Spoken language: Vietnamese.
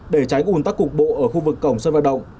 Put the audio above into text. để tránh ủn tắc cục bộ ở khu vực cổng sân vận động